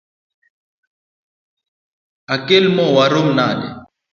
Akel moo marom nade?